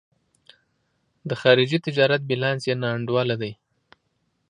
د خارجي تجارت بیلانس یې نا انډوله دی.